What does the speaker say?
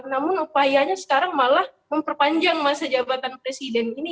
namun upayanya sekarang malah memperpanjang masa jabatan presiden ini